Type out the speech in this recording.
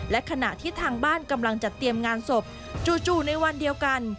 และขณะที่ทางบ้านกำลังจัดเตรียมงานศพจู่ในวันเดียวกัน